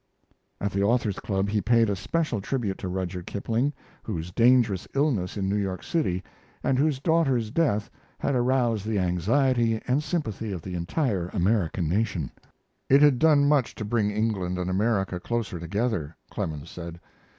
At the Authors Club he paid a special tribute to Rudyard Kipling, whose dangerous illness in New York City and whose daughter's death had aroused the anxiety and sympathy of the entire American nation. It had done much to bring England and America closer together, Clemens said.